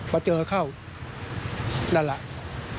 พอเจอเข้านั่นแหละ